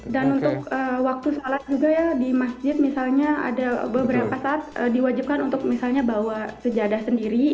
dan untuk waktu salat juga ya di masjid misalnya ada beberapa saat diwajibkan untuk misalnya bawa sejadah sendiri